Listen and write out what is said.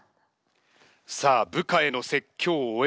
さあ部下への説教を終えました。